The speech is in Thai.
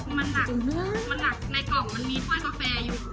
มันหนักมันหนักในกล่องมันมีถ้วยกาแฟอยู่